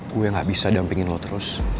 gue yang gak bisa dampingin lo terus